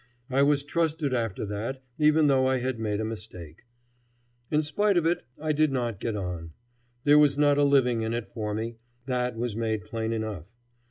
I was trusted after that, even though I had made a mistake. In spite of it, I did not get on. There was not a living in it for me, that was made plain enough.